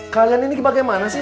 kalian ini bagaimana sih